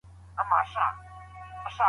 مثبت ذهن تاسو ته د زده کړي نوي لاري ښيي.